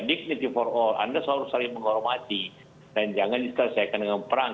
dignity for all anda selalu saling menghormati dan jangan diselesaikan dengan perang